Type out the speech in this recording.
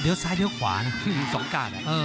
เดี๋ยวซ้ายเดี๋ยวขวานะ